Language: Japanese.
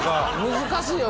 難しいよ。